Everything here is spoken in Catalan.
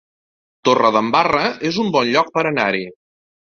Torredembarra es un bon lloc per anar-hi